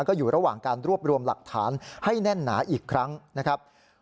ก็อยู่ระหว่างการรวบรวมหลักฐานให้แน่นหนาอีกครั้งนะครับ